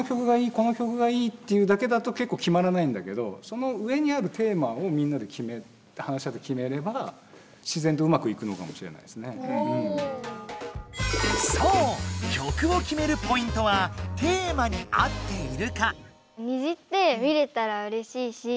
この曲がいいっていうだけだとけっこう決まらないんだけどその上にあるそう曲を決めるポイントは「テーマに合っているか」。